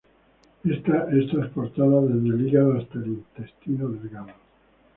Esta es transportada desde el hígado hasta el intestino delgado.